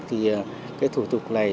thì cái thủ tục này